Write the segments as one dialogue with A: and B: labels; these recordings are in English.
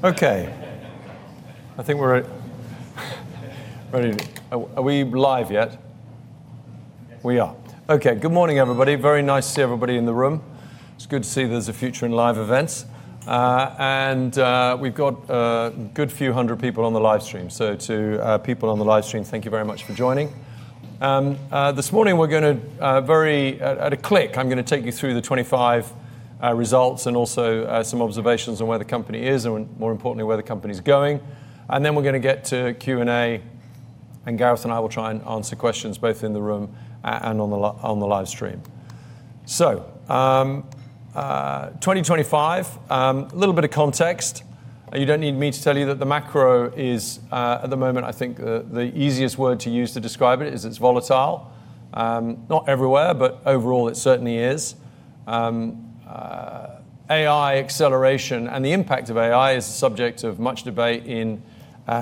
A: Ready. Are we live yet?
B: Yes.
A: Okay, good morning, everybody. Very nice to see everybody in the room. It's good to see there's a future in live events. We've got a good few hundred people on the live stream. So, to people on the live stream, thank you very much for joining. This morning, at a glance, I'm going to take you through the 2025 results and also some observations on where the company is and more importantly, where the company's going. Then we're going to get to Q&A, and Gareth and I will try and answer questions both in the room and on the live stream. 2025, a little bit of context. You don't need me to tell you that the macro is at the moment, I think the easiest word to use to describe it is it's volatile. Not everywhere, but overall, it certainly is. AI acceleration and the impact of AI is the subject of much debate in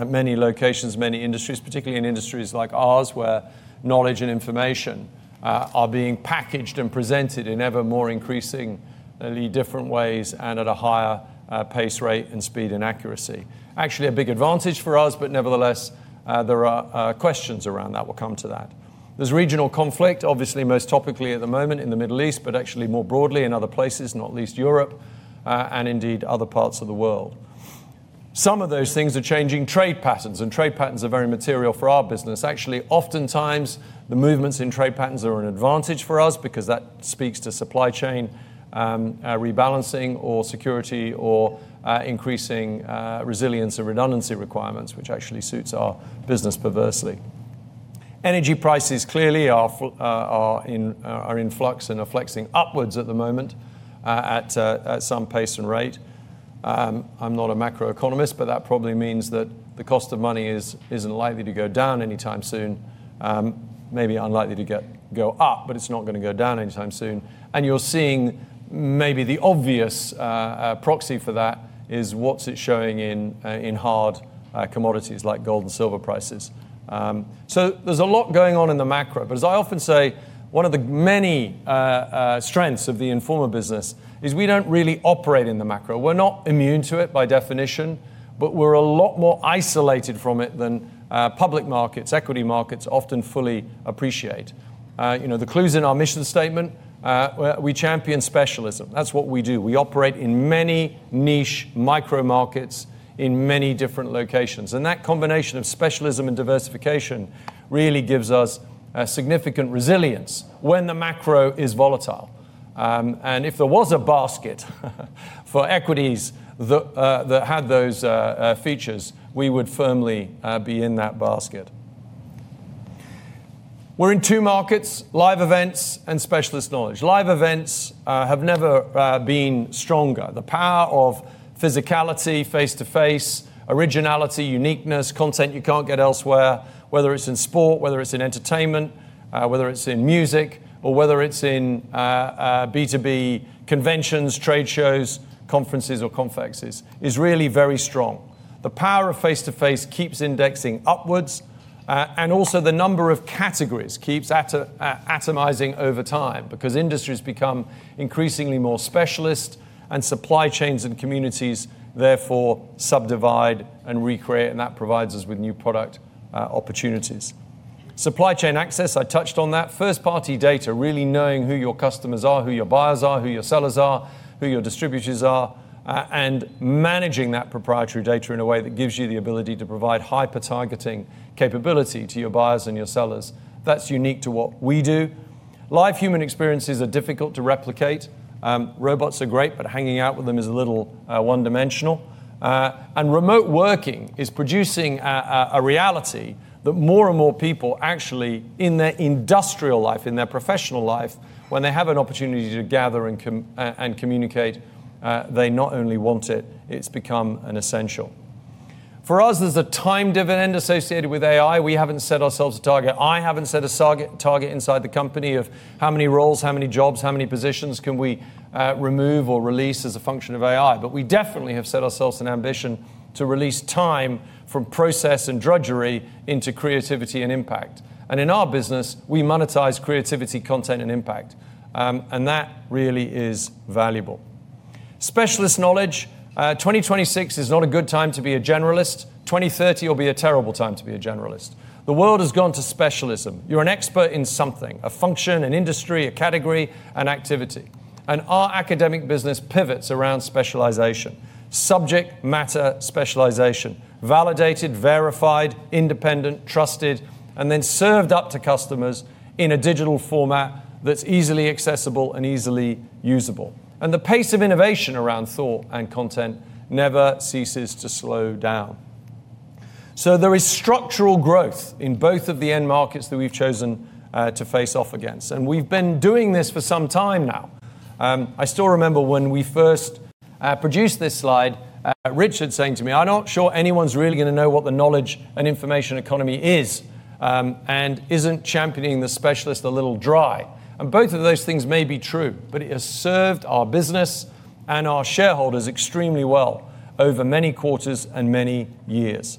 A: many locations, many industries, particularly in industries like ours, where knowledge and information are being packaged and presented in evermore increasingly different ways and at a higher pace rate and speed and accuracy. Actually, a big advantage for us, but nevertheless, there are questions around that. We'll come to that. There's regional conflict, obviously, most topically at the moment in the Middle East, but actually more broadly in other places, not least Europe, and indeed other parts of the world. Some of those things are changing trade patterns, and trade patterns are very material for our business. Actually, oftentimes, the movements in trade patterns are an advantage for us because that speaks to supply chain rebalancing or security or increasing resilience and redundancy requirements, which actually suits our business perversely. Energy prices clearly are in flux and are flexing upwards at the moment at some pace and rate. I'm not a macroeconomist, but that probably means that the cost of money isn't likely to go down anytime soon. Maybe unlikely to go up, but it's not going to go down anytime soon. You're seeing maybe the obvious proxy for that is what's it showing in hard commodities like gold and silver prices. There's a lot going on in the macro. As I often say, one of the many strengths of the Informa business is we don't really operate in the macro. We're not immune to it by definition, but we're a lot more isolated from it than public markets, equity markets often fully appreciate. You know, the clues in our mission statement, we champion specialism. That's what we do. We operate in many niche micro markets in many different locations. That combination of specialism and diversification really gives us a significant resilience when the macro is volatile. If there was a basket for equities that had those features, we would firmly be in that basket. We're in two markets, live events and specialist knowledge. Live events have never been stronger. The power of physicality, face-to-face, originality, uniqueness, content you can't get elsewhere, whether it's in sport, whether it's in entertainment, whether it's in music, or whether it's in B2B conventions, trade shows, conferences, or confexes, is really very strong. The power of face-to-face keeps indexing upwards, and also the number of categories keeps atomizing over time because industries become increasingly more specialist and supply chains and communities therefore subdivide and recreate, and that provides us with new product opportunities. Supply chain access, I touched on that. First-party data, really knowing who your customers are, who your buyers are, who your sellers are, who your distributors are, and managing that proprietary data in a way that gives you the ability to provide hyper-targeting capability to your buyers and your sellers. That's unique to what we do. Live human experiences are difficult to replicate. Robots are great, but hanging out with them is a little one-dimensional. Remote working is producing a reality that more and more people actually in their industrial life, in their professional life, when they have an opportunity to gather and communicate, they not only want it's become an essential. For us, there's a time dividend associated with AI. We haven't set ourselves a target. I haven't set a target inside the company of how many roles, how many jobs, how many positions can we remove or release as a function of AI. We definitely have set ourselves an ambition to release time from process and drudgery into creativity and impact. In our business, we monetize creativity, content, and impact. That really is valuable. Specialist knowledge. 2026 is not a good time to be a generalist. 2030 will be a terrible time to be a generalist. The world has gone to specialism. You're an expert in something, a function, an industry, a category, an activity. Our academic business pivots around specialization, subject matter specialization, validated, verified, independent, trusted, and then served up to customers in a digital format that's easily accessible and easily usable. The pace of innovation around thought, and content never ceases to slow down. There is structural growth in both of the end markets that we've chosen to face off against. We've been doing this for some time now. I still remember when we first produced this slide, Richard saying to me, "I'm not sure anyone's really going to know what the knowledge and information economy is and isn't championing the specialist a little dry." Both of those things may be true, but it has served our business and our shareholders extremely well over many quarters and many years.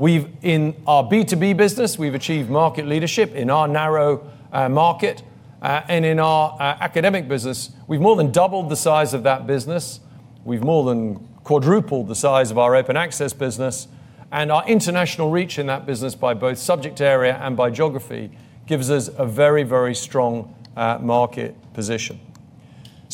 A: In our B2B business, we've achieved market leadership in our narrow market, and in our academic business, we've more than doubled the size of that business. We've more than quadrupled the size of our open access business, and our international reach in that business by both subject area and by geography gives us a very, very strong market position.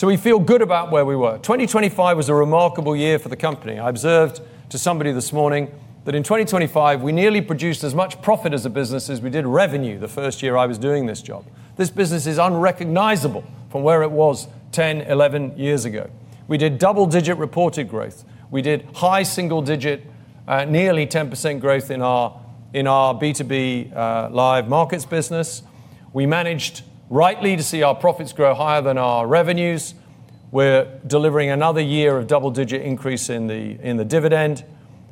A: We feel good about where we were. 2025 was a remarkable year for the company. I observed to somebody this morning that in 2025, we nearly produced as much profit as a business as we did revenue the first year I was doing this job. This business is unrecognizable from where it was 10, 11 years ago. We did double-digit reported growth. We did high single digit, nearly 10% growth in our B2B live markets business. We managed rightly to see our profits grow higher than our revenues. We're delivering another year of double-digit increase in the dividend,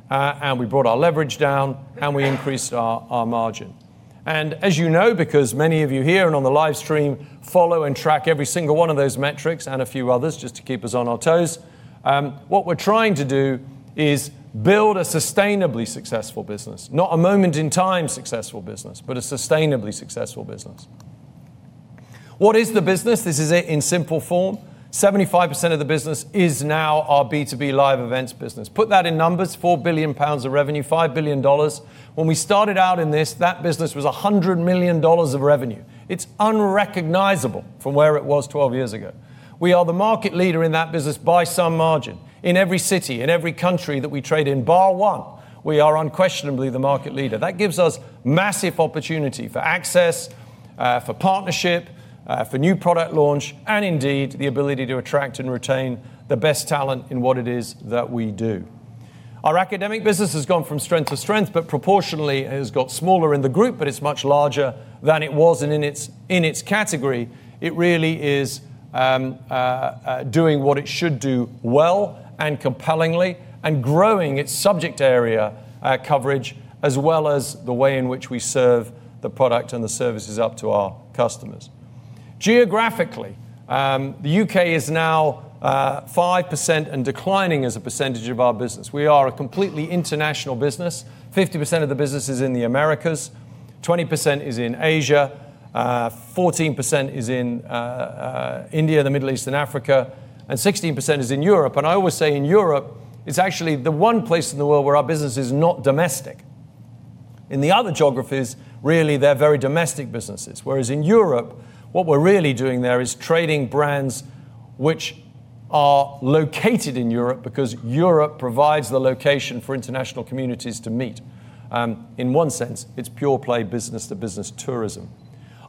A: and we brought our leverage down, and we increased our margin. As you know, because many of you here and on the live stream follow and track every single one of those metrics and a few others just to keep us on our toes, what we're trying to do is build a sustainably successful business. Not a moment in time successful business, but a sustainably successful business. What is the business? This is it in simple form. 75% of the business is now our B2B live events business. Put that in numbers, 4 billion pounds of revenue, $5 billion. When we started out in this, that business was $100 million of revenue. It's unrecognizable from where it was 12 years ago. We are the market leader in that business by some margin. In every city, in every country that we trade in, bar one, we are unquestionably the market leader. That gives us massive opportunity for access, for partnership, for new product launch, and indeed, the ability to attract and retain the best talent in what it is that we do. Our academic business has gone from strength to strength, but proportionally, it has got smaller in the group, but it's much larger than it was. In its category, it really is doing what it should do well and compellingly and growing its subject area coverage, as well as the way in which we serve the product and the services up to our customers. Geographically, the U.K. is now 5% and declining as a percentage of our business. We are a completely international business. 50% of the business is in the Americas, 20% is in Asia, 14% is in India, the Middle East and Africa, and 16% is in Europe. I always say in Europe, it's actually the one place in the world where our business is not domestic. In the other geographies, really, they're very domestic businesses. Whereas in Europe, what we're really doing there is trading brands which are located in Europe because Europe provides the location for international communities to meet. In one sense, it's pure play business-to-business tourism.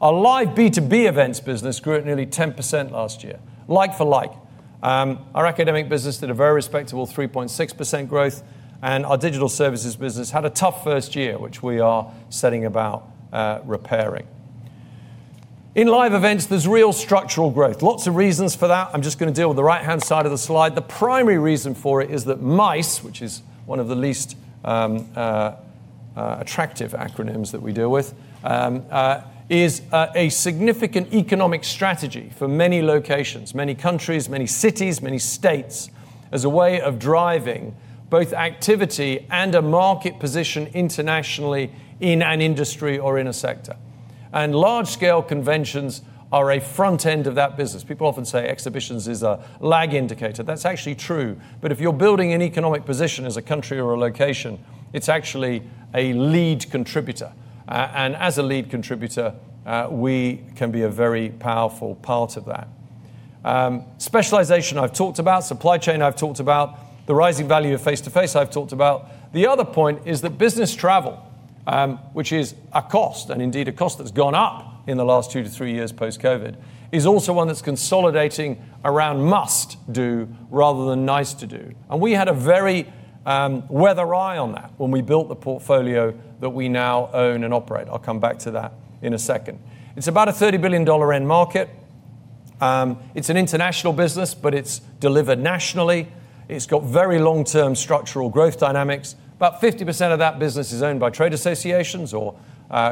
A: Our live B2B events business grew at nearly 10% last year, like for like. Our academic business did a very respectable 3.6% growth, and our digital services business had a tough first year, which we are setting about repairing. In live events, there's real structural growth. Lots of reasons for that. I'm just going to deal with the right-hand side of the slide. The primary reason for it is that MICE, which is one of the least attractive acronyms that we deal with, is a significant economic strategy for many locations, many countries, many cities, many states, as a way of driving both activity and a market position internationally in an industry or in a sector. Large-scale conventions are a front end of that business. People often say exhibitions is a lag indicator. That's actually true. If you're building an economic position as a country or a location, it's actually a lead contributor. As a lead contributor, we can be a very powerful part of that. Specialization, I've talked about. Supply chain, I've talked about. The rising value of face-to-face, I've talked about. The other point is that business travel, which is a cost, and indeed a cost that's gone up in the last two to three years post-COVID, is also one that's consolidating around must do rather than nice to do. We had a very weather eye on that when we built the portfolio that we now own and operate. I'll come back to that in a second. It's about a $30 billion end market. It's an international business, but it's delivered nationally. It's got very long-term structural growth dynamics. About 50% of that business is owned by trade associations or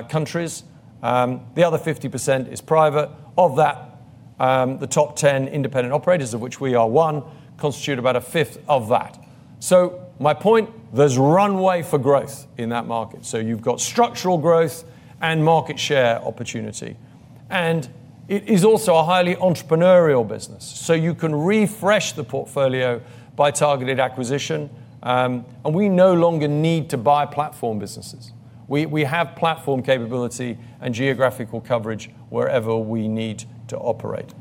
A: countries. The other 50% is private. Of that, the top 10 independent operators, of which we are one, constitute about a fifth of that. My point, there's runway for growth in that market. You've got structural growth and market share opportunity. It is also a highly entrepreneurial business, so you can refresh the portfolio by targeted acquisition. We no longer need to buy platform businesses. We have platform capability and geographical coverage wherever we need to operate.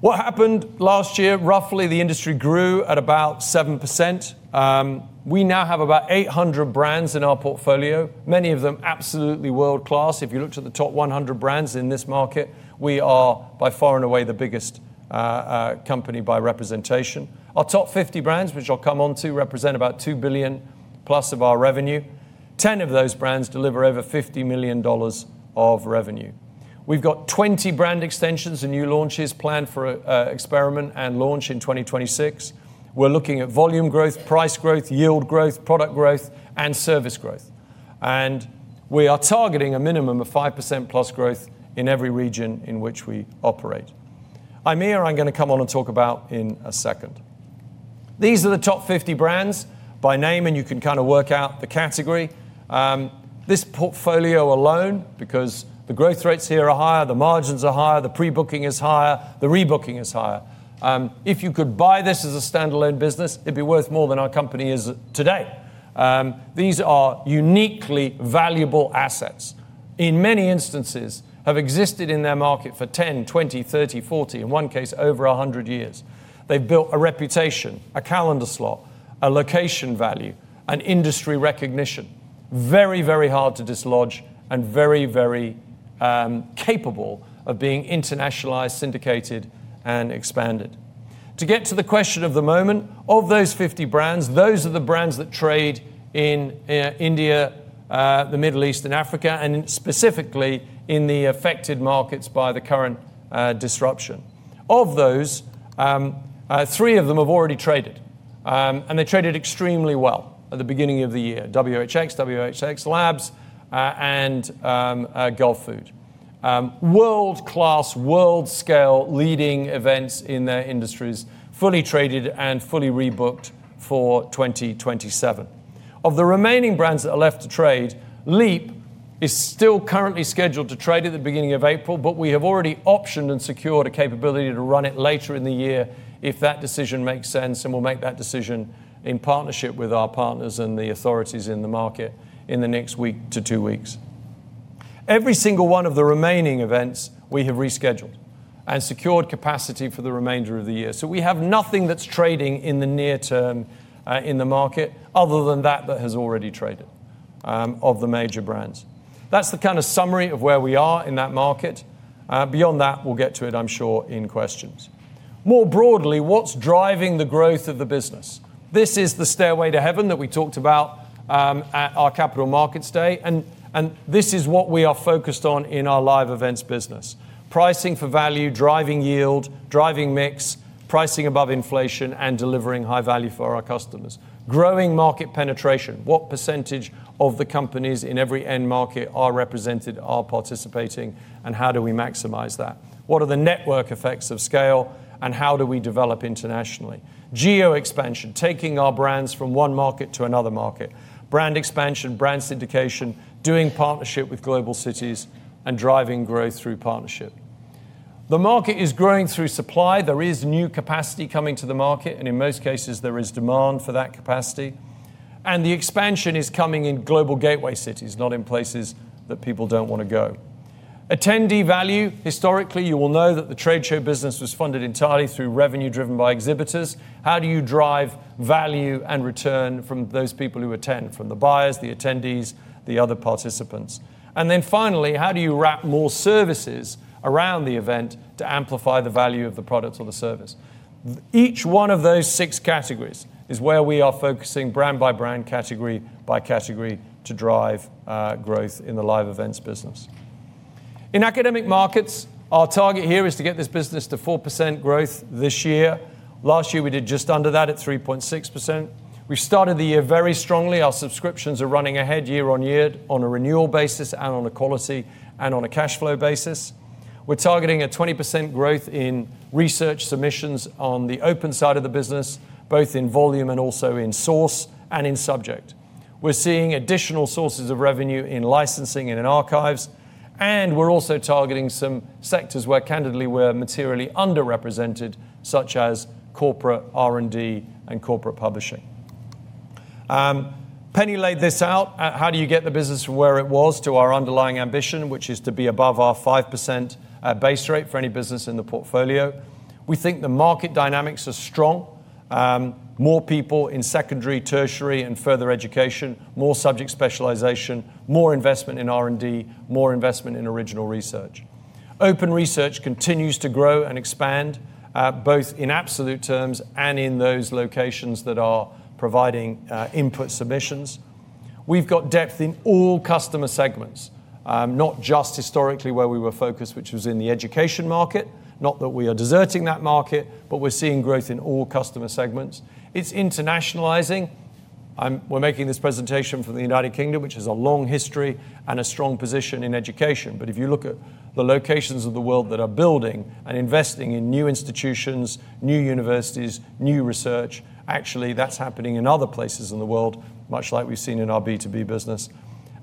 A: What happened last year? Roughly, the industry grew at about 7%. We now have about 800 brands in our portfolio, many of them absolutely world-class. If you looked at the top 100 brands in this market, we are by far and away the biggest company by representation. Our top 50 brands, which I'll come on to, represent about 2 billion plus of our revenue. 10 of those brands deliver over $50 million of revenue. We've got 20 brand extensions and new launches planned for experiment and launch in 2026. We're looking at volume growth, price growth, yield growth, product growth, and service growth. We are targeting a minimum of 5%+ growth in every region in which we operate. I'm here, I'm going to come on and talk about in a second. These are the top 50 brands by name, and you can kind of work out the category. This portfolio alone, because the growth rates here are higher, the margins are higher, the pre-booking is higher, the rebooking is higher. If you could buy this as a standalone business, it'd be worth more than our company is today. These are uniquely valuable assets. In many instances, have existed in their market for 10, 20, 30, 40, in one case, over 100 years. They've built a reputation, a calendar slot, a location value, an industry recognition. Very, very hard to dislodge and very, very capable of being internationalized, syndicated, and expanded. To get to the question of the moment, of those 50 brands, those are the brands that trade in India, the Middle East, and Africa, and specifically in the affected markets by the current disruption. Of those, three of them have already traded, and they traded extremely well at the beginning of the year. WHX Labs, and Gulfood. World-class, world-scale leading events in their industries, fully traded and fully rebooked for 2027. Of the remaining brands that are left to trade, LEAP is still currently scheduled to trade at the beginning of April, but we have already optioned and secured a capability to run it later in the year if that decision makes sense, and we'll make that decision in partnership with our partners and the authorities in the market in the next week to two weeks. Every single one of the remaining events we have rescheduled and secured capacity for the remainder of the year. We have nothing that's trading in the near term in the market other than that has already traded of the major brands. That's the kind of summary of where we are in that market. Beyond that, we'll get to it, I'm sure, in questions. More broadly, what's driving the growth of the business? This is the stairway to heaven that we talked about at our Capital Markets Day, and this is what we are focused on in our live events business. Pricing for value, driving yield, driving mix, pricing above inflation, and delivering high value for our customers. Growing market penetration. What percentage of the companies in every end market are represented, are participating, and how do we maximize that? What are the network effects of scale, and how do we develop internationally? Geo expansion, taking our brands from one market to another market. Brand expansion, brand syndication, doing partnership with global cities, and driving growth through partnership. The market is growing through supply. There is new capacity coming to the market, and in most cases, there is demand for that capacity. The expansion is coming in global gateway cities, not in places that people don't want to go. Attendee value. Historically, you will know that the trade show business was funded entirely through revenue driven by exhibitors. How do you drive value and return from those people who attend, from the buyers, the attendees, the other participants? Finally, how do you wrap more services around the event to amplify the value of the product or the service? Each one of those six categories is where we are focusing brand by brand, category by category to drive growth in the live events business. In academic markets, our target here is to get this business to 4% growth this year. Last year, we did just under that at 3.6%. We started the year very strongly. Our subscriptions are running ahead year on year on a renewal basis and on a quality and on a cash flow basis. We're targeting a 20% growth in research submissions on the open side of the business, both in volume and also in source and in subject. We're seeing additional sources of revenue in licensing and in archives, and we're also targeting some sectors where candidly we're materially underrepresented, such as corporate R&D and corporate publishing. Penny laid this out. How do you get the business from where it was to our underlying ambition, which is to be above our 5% base rate for any business in the portfolio? We think the market dynamics are strong. More people in secondary, tertiary, and further education, more subject specialization, more investment in R&D, more investment in original research. Open research continues to grow and expand, both in absolute terms and in those locations that are providing input submissions. We've got depth in all customer segments, not just historically where we were focused, which was in the education market. Not that we are deserting that market, but we're seeing growth in all customer segments. It's internationalizing. We're making this presentation from the United Kingdom, which has a long history and a strong position in education. If you look at the locations of the world that are building and investing in new institutions, new universities, new research, actually, that's happening in other places in the world, much like we've seen in our B2B business.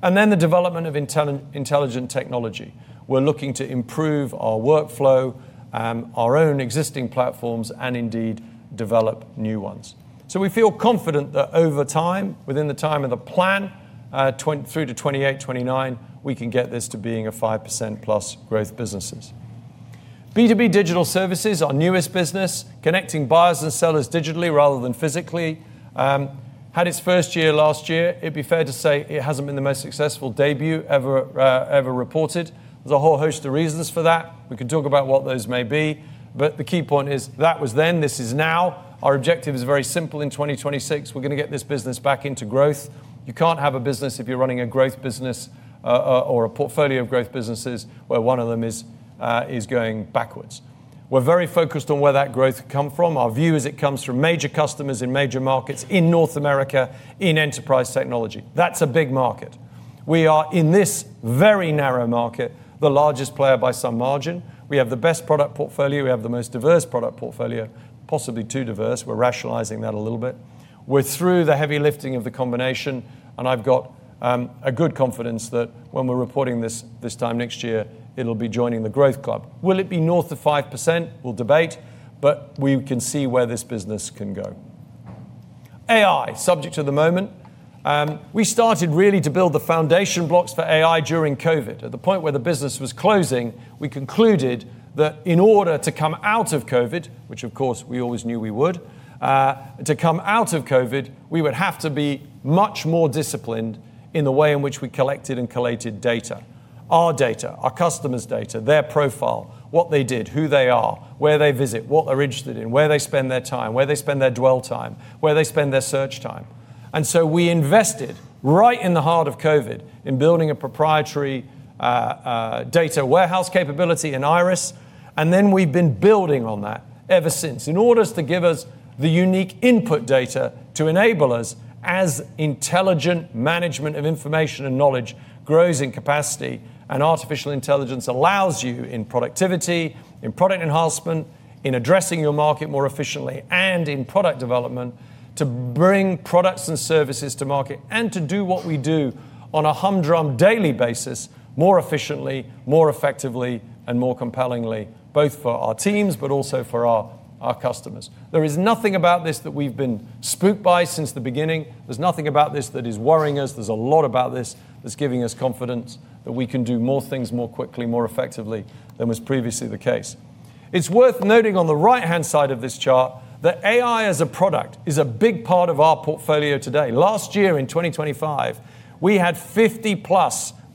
A: The development of intelligent technology. We're looking to improve our workflow, our own existing platforms, and indeed develop new ones. We feel confident that over time, within the time of the plan, through to 2028, 2029, we can get this to being a 5%+ growth businesses. B2B digital services, our newest business, connecting buyers and sellers digitally rather than physically, had its first year last year. It'd be fair to say it hasn't been the most successful debut ever reported. There's a whole host of reasons for that. We can talk about what those may be. The key point is that was then, this is now. Our objective is very simple. In 2026, we're going to get this business back into growth. You can't have a business if you're running a growth business, or a portfolio of growth businesses where one of them is going backwards. We're very focused on where that growth come from. Our view is it comes from major customers in major markets in North America, in enterprise technology. That's a big market. We are, in this very narrow market, the largest player by some margin. We have the best product portfolio. We have the most diverse product portfolio, possibly too diverse. We're rationalizing that a little bit. We're through the heavy lifting of the combination, and I've got a good confidence that when we're reporting this time next year, it'll be joining the growth club. Will it be north of 5%? We'll debate, but we can see where this business can go. AI, subject to the moment. We started really to build the foundation blocks for AI during COVID. At the point where the business was closing, we concluded that in order to come out of COVID, which of course we always knew we would, we would have to be much more disciplined in the way in which we collected and collated data. Our data, our customers' data, their profile, what they did, who they are, where they visit, what they're interested in, where they spend their time, where they spend their dwell time, where they spend their search time. We invested right in the heart of COVID in building a proprietary data warehouse capability in IRIS, and then we've been building on that ever since. In order to give us the unique input data to enable us as intelligent management of information and knowledge grows in capacity and artificial intelligence allows us in productivity, in product enhancement, in addressing your market more efficiently, and in product development to bring products and services to market and to do what we do on a humdrum daily basis, more efficiently, more effectively, and more compellingly, both for our teams, but also for our customers. There is nothing about this that we've been spooked by since the beginning. There's nothing about this that is worrying us. There's a lot about this that's giving us confidence that we can do more things more quickly, more effectively than was previously the case. It's worth noting on the right-hand side of this chart that AI as a product is a big part of our portfolio today. Last year in 2025, we had 50+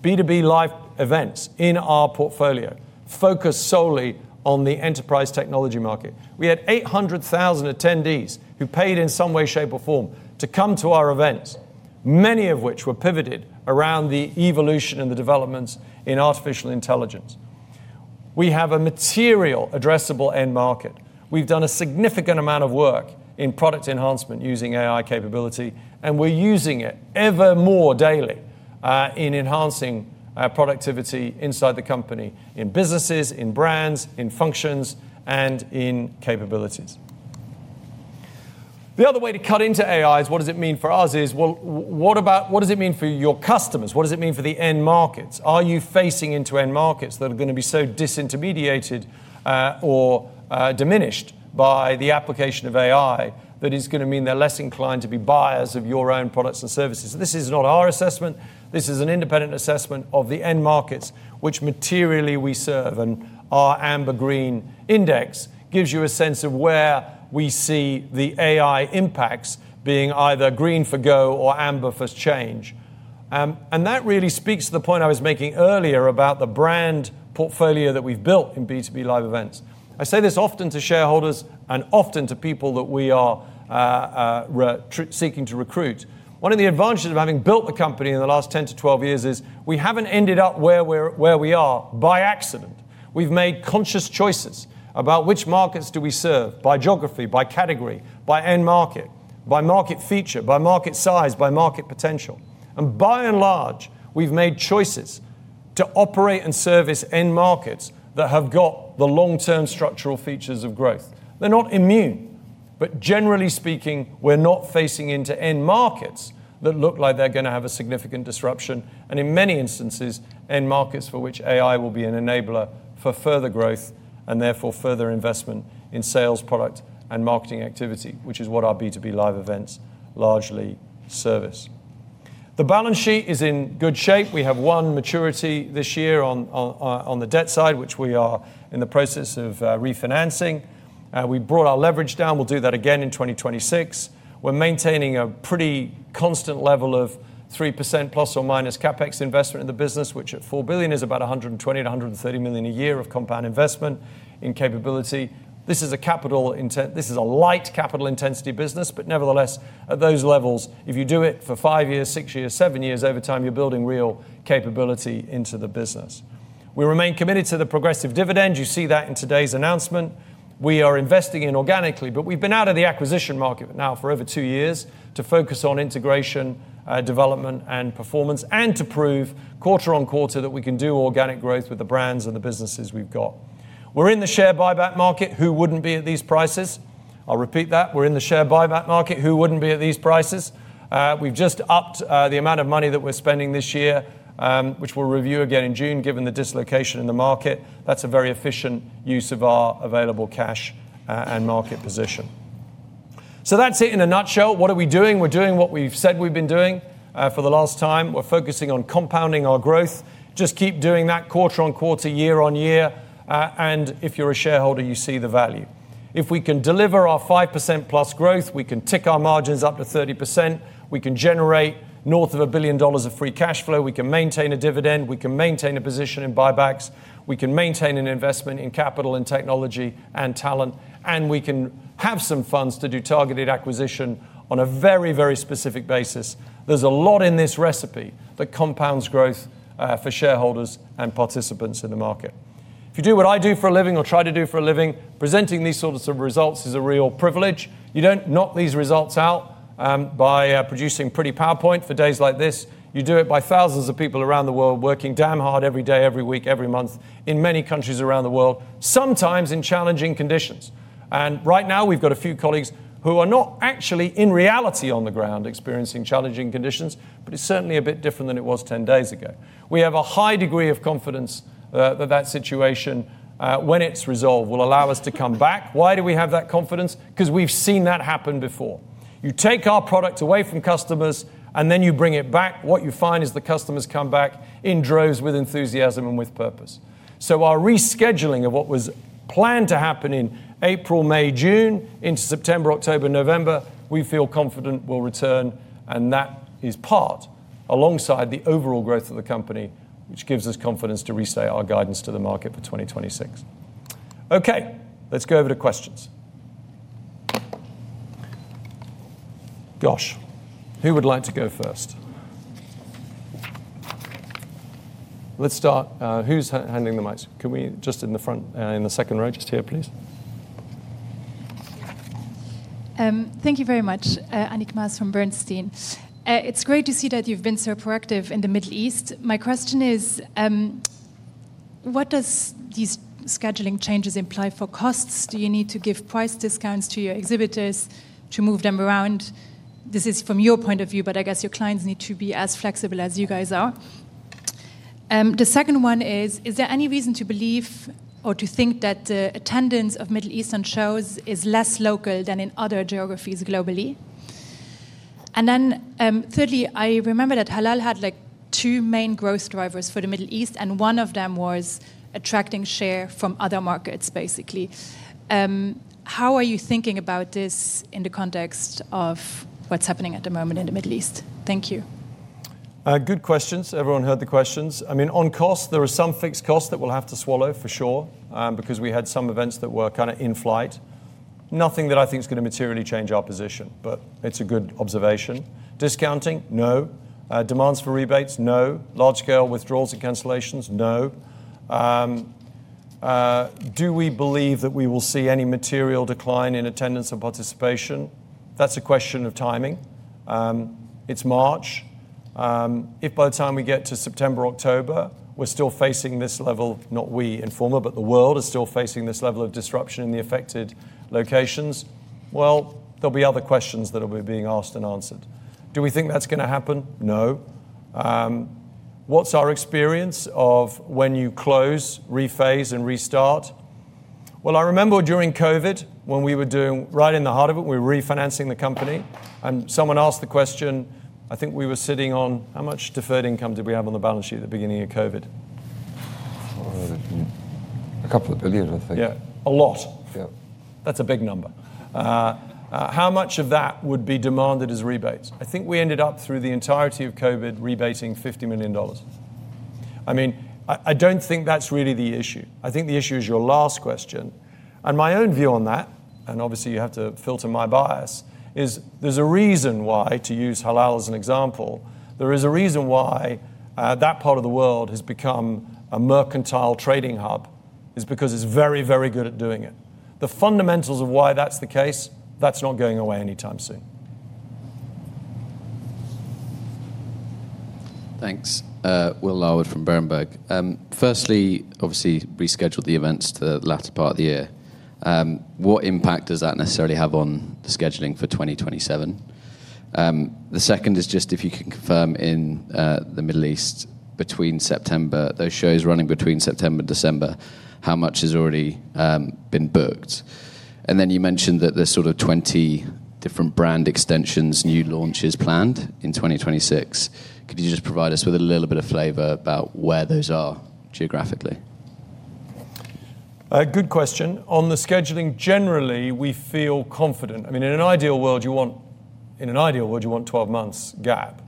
A: B2B live events in our portfolio focused solely on the enterprise technology market. We had 800,000 attendees who paid in some way, shape, or form to come to our events, many of which were pivoted around the evolution and the developments in artificial intelligence. We have a material addressable end market. We've done a significant amount of work in product enhancement using AI capability, and we're using it ever more daily in enhancing our productivity inside the company, in businesses, in brands, in functions, and in capabilities. The other way to cut into AI is what does it mean for us is, well, what about what does it mean for your customers. What does it mean for the end markets. Are you facing into end markets that are going to be so disintermediated, or, diminished by the application of AI that is going to mean they're less inclined to be buyers of your own products and services? This is not our assessment. This is an independent assessment of the end markets which materially we serve, and our amber, green index gives you a sense of where we see the AI impacts being either green for go or amber for change. That really speaks to the point I was making earlier about the brand portfolio that we've built in B2B live events. I say this often to shareholders and often to people that we are seeking to recruit. One of the advantages of having built the company in the last 10-12 years is we haven't ended up where we are by accident. We've made conscious choices about which markets do we serve by geography, by category, by end market, by market feature, by market size, by market potential. By and large, we've made choices to operate and service end markets that have got the long-term structural features of growth. They're not immune, but generally speaking, we're not facing into end markets that look like they're going to have a significant disruption, and in many instances, end markets for which AI will be an enabler for further growth and therefore further investment in sales, product, and marketing activity, which is what our B2B live events largely service. The balance sheet is in good shape. We have one maturity this year on the debt side, which we are in the process of refinancing. We brought our leverage down. We'll do that again in 2026. We're maintaining a pretty constant level of 3% ± CapEx investment in the business, which at 4 billion is about 120-130 million a year of compound investment in capability. This is a light capital intensity business, but nevertheless, at those levels, if you do it for five years, six years, seven years, over time, you're building real capability into the business. We remain committed to the progressive dividend. You see that in today's announcement. We are investing organically, but we've been out of the acquisition market now for over two years to focus on integration, development, and performance, and to prove quarter-on-quarter that we can do organic growth with the brands and the businesses we've got. We're in the share buyback market. Who wouldn't be at these prices? I'll repeat that. We're in the share buyback market. Who wouldn't be at these prices? We've just upped the amount of money that we're spending this year, which we'll review again in June, given the dislocation in the market. That's a very efficient use of our available cash and market position. That's it in a nutshell. What are we doing? We're doing what we've said we've been doing for the last time. We're focusing on compounding our growth. Just keep doing that quarter on quarter, year on year, and if you're a shareholder, you see the value. If we can deliver our 5%+ growth, we can tick our margins up to 30%, we can generate north of $1 billion of free cash flow, we can maintain a dividend, we can maintain a position in buybacks, we can maintain an investment in capital and technology and talent, and we can have some funds to do targeted acquisition on a very, very specific basis. There's a lot in this recipe that compounds growth for shareholders and participants in the market. If you do what I do for a living or try to do for a living, presenting these sorts of results is a real privilege. You don't knock these results out by producing pretty PowerPoint for days like this. You do it by thousands of people around the world working damn hard every day, every week, every month in many countries around the world, sometimes in challenging conditions. Right now, we've got a few colleagues who are not actually in reality on the ground experiencing challenging conditions, but it's certainly a bit different than it was ten days ago. We have a high degree of confidence that that situation, when it's resolved, will allow us to come back. Why do we have that confidence? 'Cause we've seen that happen before. You take our product away from customers, and then you bring it back, what you find is the customers come back in droves with enthusiasm and with purpose. Our rescheduling of what was planned to happen in April, May, June, into September, October, November, we feel confident will return, and that is part alongside the overall growth of the company, which gives us confidence to restate our guidance to the market for 2026. Okay. Let's go over to questions. Gosh, who would like to go first? Let's start, who's handing the mics? Can we just in the front, in the second row just here, please?
C: Thank you very much. Annick Maas from Bernstein. It's great to see that you've been so proactive in the Middle East. My question is, what does these scheduling changes imply for costs? Do you need to give price discounts to your exhibitors to move them around? This is from your point of view, but I guess your clients need to be as flexible as you guys are. The second one is there any reason to believe or to think that the attendance of Middle Eastern shows is less local than in other geographies globally? Thirdly, I remember that Halal had, like, two main growth drivers for the Middle East, and one of them was attracting share from other markets, basically. How are you thinking about this in the context of what's happening at the moment in the Middle East? Thank you.
A: Good questions. Everyone heard the questions. I mean, on cost, there are some fixed costs that we'll have to swallow for sure, because we had some events that were kind of in-flight. Nothing that I think is going to materially change our position, but it's a good observation. Discounting? No. Demands for rebates? No. Large scale withdrawals and cancellations? No. Do we believe that we will see any material decline in attendance and participation? That's a question of timing. It's March. If by the time we get to September, October, we're still facing this level, not we Informa, but the world is still facing this level of disruption in the affected locations, well, there'll be other questions that will be being asked and answered. Do we think that's going to happen? No. What's our experience of when you close, rephase, and restart? Well, I remember during COVID, when we were doing right in the heart of it, we were refinancing the company, and someone asked the question. I think we were sitting on how much deferred income did we have on the balance sheet at the beginning of COVID?
D: 2 billion, I think.
A: Yeah. A lot.
D: Yeah.
A: That's a big number. How much of that would be demanded as rebates? I think we ended up, through the entirety of COVID, rebating $50 million. I mean, I don't think that's really the issue. I think the issue is your last question. My own view on that, and obviously you have to filter my bias, is there's a reason why, to use Halal as an example, there is a reason why that part of the world has become a mercantile trading hub is because it's very, very good at doing it. The fundamentals of why that's the case, that's not going away anytime soon.
E: Thanks. William Larwood from Berenberg. Firstly, obviously, rescheduled the events to the latter part of the year. What impact does that necessarily have on the scheduling for 2027? The second is just if you can confirm in the Middle East between September, those shows running between September and December, how much has already been booked. You mentioned that there's sort of 20 different brand extensions, new launches planned in 2026. Could you just provide us with a little bit of flavor about where those are geographically?
A: A good question. On the scheduling, generally, we feel confident. I mean, in an ideal world, you want 12 months gap.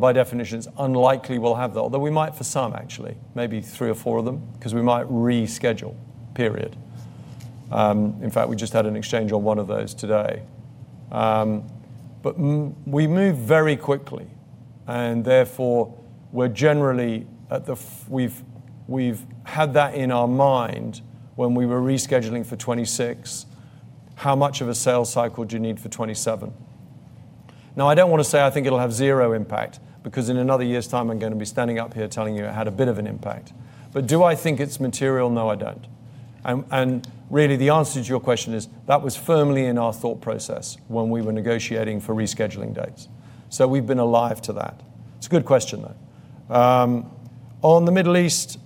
A: By definition, it's unlikely we'll have that, although we might for some, actually, maybe three or four of them, 'cause we might reschedule, period. In fact, we just had an exchange on one of those today. But we move very quickly, and therefore, we're generally at the we've had that in our mind when we were rescheduling for 2026. How much of a sales cycle do you need for 2027? Now, I don't want to say I think it'll have zero impact because in another year's time, I'm going to be standing up here telling you it had a bit of an impact. Do I think it's material? No, I don't. Really, the answer to your question is, that was firmly in our thought process when we were negotiating for rescheduling dates. We've been alive to that. It's a good question, though. On the Middle East,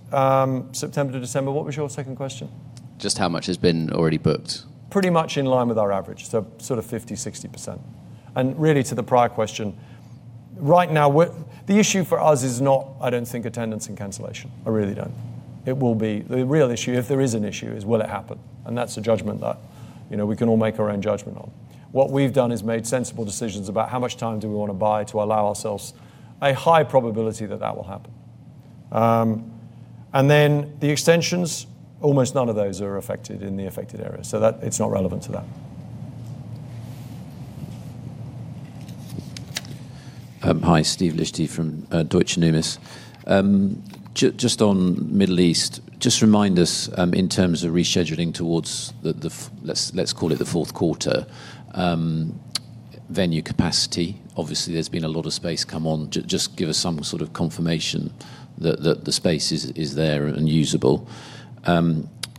A: September to December, what was your second question?
E: Just how much has been already booked?
A: Pretty much in line with our average, so sort of 50%-60%. Really to the prior question, right now the issue for us is not, I don't think, attendance and cancellation. I really don't. It will be the real issue, if there is an issue, is will it happen? That's a judgment that, you know, we can all make our own judgment on. What we've done is made sensible decisions about how much time do we want to buy to allow ourselves a high probability that that will happen. The extensions, almost none of those are affected in the affected areas, so that it's not relevant to that.
F: Hi, Steve Liechty from Deutsche Numis. Just on Middle East, just remind us in terms of rescheduling towards the fourth quarter venue capacity. Obviously, there's been a lot of space come on. Just give us some sort of confirmation that the space is there and usable.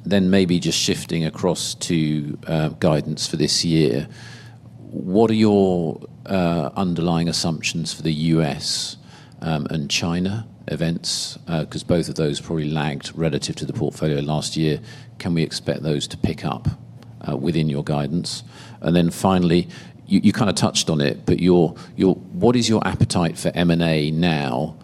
F: Maybe just shifting across to guidance for this year. What are your underlying assumptions for the U.S. And China events? 'Cause both of those probably lagged relative to the portfolio last year. Can we expect those to pick up within your guidance? Finally, you kind of touched on it, but what is your appetite for M&A now,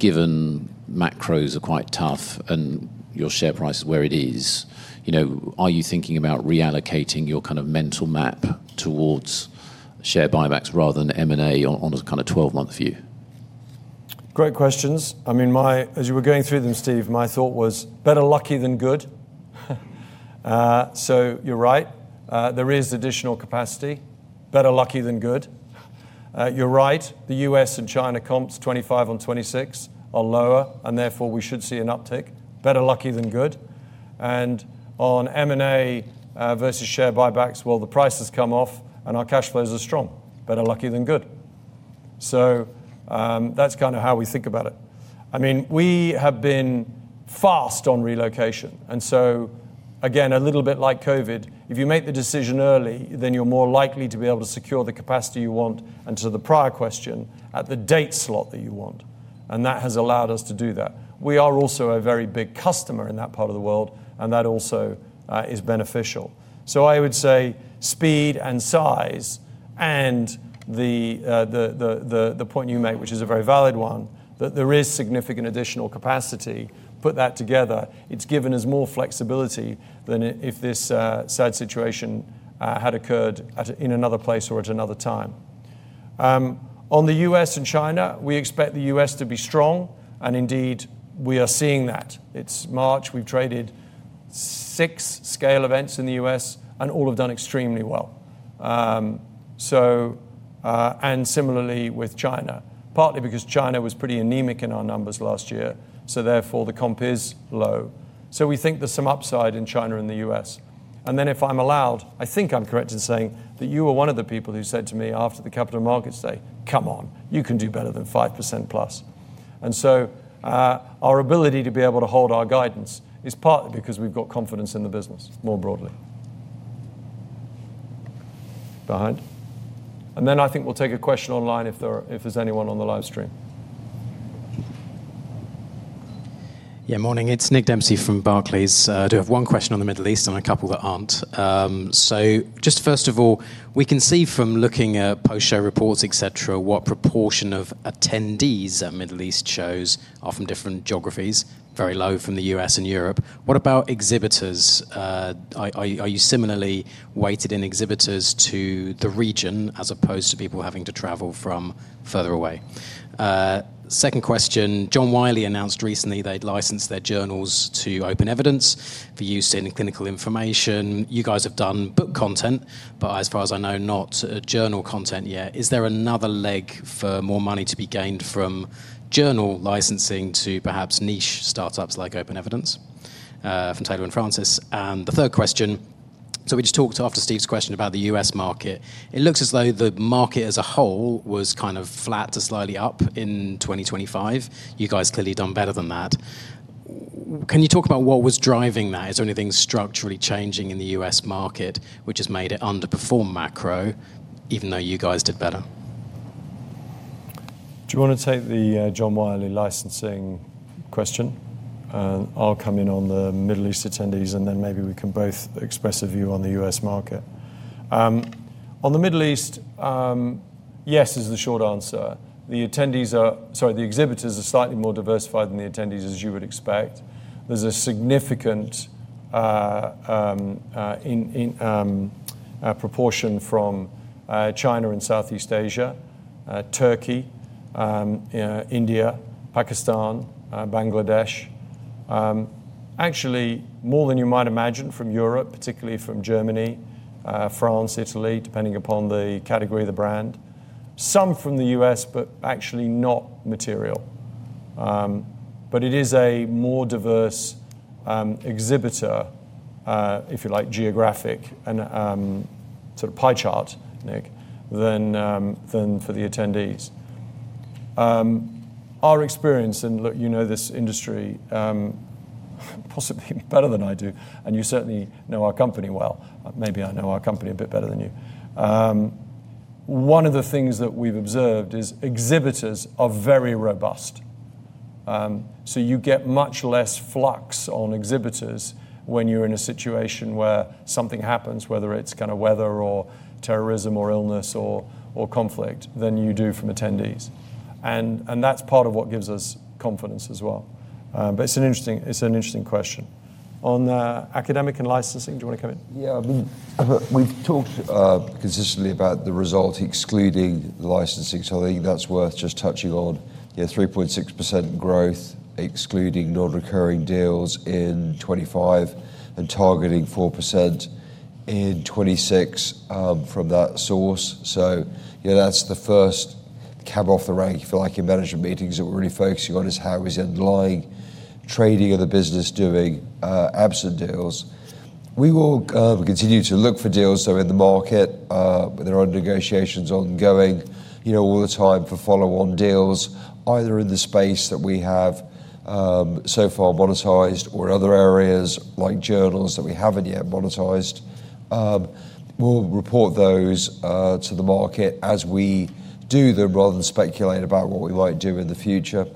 F: given macros are quite tough, and your share price is where it is? You know, are you thinking about reallocating your kind of mental map towards share buybacks rather than M&A on a kind of 12-month view?
A: Great questions. I mean, as you were going through them, Steve, my thought was, better lucky than good. You're right. There is additional capacity. Better lucky than good. You're right. The U.S. and China comps 2025 and 2026 are lower, and therefore, we should see an uptick. Better lucky than good. On M&A versus share buybacks, well, the price has come off, and our cash flows are strong. Better lucky than good. That's kind of how we think about it. I mean, we have been fast on relocation, and so again, a little bit like COVID, if you make the decision early, then you're more likely to be able to secure the capacity you want, and to the prior question, at the date slot that you want. That has allowed us to do that. We are also a very big customer in that part of the world, and that also is beneficial. I would say speed and size and the point you make, which is a very valid one, that there is significant additional capacity. Put that together, it's given us more flexibility than if this sad situation had occurred in another place or at another time. On the U.S. and China, we expect the U.S. to be strong, and indeed, we are seeing that. It's March, we've traded six scale events in the U.S., and all have done extremely well. And similarly with China, partly because China was pretty anemic in our numbers last year, so therefore the comp is low. We think there's some upside in China and the U.S. If I'm allowed, I think I'm correct in saying that you were one of the people who said to me after the Capital Markets Day, "Come on, you can do better than 5%+." Our ability to be able to hold our guidance is partly because we've got confidence in the business more broadly. I think we'll take a question online if there's anyone on the live stream.
G: Morning. It's Nick Dempsey from Barclays. I do have one question on the Middle East and a couple that aren't. Just first of all, we can see from looking at post-show reports, et cetera, what proportion of attendees at Middle East shows are from different geographies, very low from the U.S. and Europe. What about exhibitors? Are you similarly weighted in exhibitors to the region as opposed to people having to travel from further away? Second question, John Wiley & Sons announced recently they'd licensed their journals to OpenEvidence for use in clinical information. You guys have done book content, but as far as I know, not journal content yet. Is there another leg for more money to be gained from journal licensing to perhaps niche startups like OpenEvidence, from Taylor & Francis? The third question, so we just talked after Steve's question about the U.S. market. It looks as though the market as a whole was kind of flat to slightly up in 2025. You guys clearly done better than that. Can you talk about what was driving that? Is there anything structurally changing in the U.S. market which has made it underperform macro, even though you guys did better?
A: Do you want to take the John Wiley licensing question? I'll come in on the Middle East attendees, and then maybe we can both express a view on the U.S. market. On the Middle East, yes is the short answer. The exhibitors are slightly more diversified than the attendees, as you would expect. There's a significant proportion from China and Southeast Asia, Turkey, India, Pakistan, Bangladesh. Actually more than you might imagine from Europe, particularly from Germany, France, Italy, depending upon the category of the brand. Some from the U.S., but actually not material. But it is a more diverse exhibitor, if you like, geographic and sort of pie chart, Nick, than for the attendees. Our experience, and look, you know this industry, possibly better than I do, and you certainly know our company well. Maybe I know our company a bit better than you. One of the things that we've observed is exhibitors are very robust. You get much less flux on exhibitors when you're in a situation where something happens, whether it's kind of weather or terrorism or illness or conflict, than you do from attendees. That's part of what gives us confidence as well. It's an interesting question. On academic and licensing, do you want to come in?
D: Yeah. I mean, we've talked consistently about the result excluding licensing, so I think that's worth just touching on. Yeah, 3.6% growth excluding non-recurring deals in 2025 and targeting 4% in 2026, from that source. So yeah, that's the first cab off the rank if you like in management meetings that we're really focusing on is how is the underlying trading of the business doing, absent deals. We'll continue to look for deals, though, in the market. There are negotiations ongoing, you know, all the time for follow-on deals, either in the space that we have, so far monetized or other areas like journals that we haven't yet monetized. We'll report those, to the market as we do them rather than speculate about what we might do in the future.